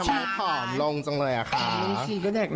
วันนี้เกี่ยวกับกองถ่ายเราจะมาอยู่กับว่าเขาเรียกว่าอะไรอ่ะนางแบบเหรอ